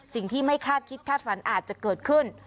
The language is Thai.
สิ่งที่ไม่คาดคิดคาดฝันอาจจะเกิดขึ้น